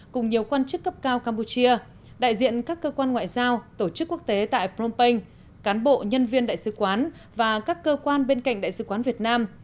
cùng nhiều quan chức cấp cao campuchia đại diện các cơ quan ngoại giao tổ chức quốc tế tại phnom penh cán bộ nhân viên đại sứ quán và các cơ quan bên cạnh đại sứ quán việt nam